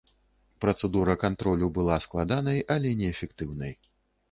Працэдура кантролю была складанай, але неэфектыўнай.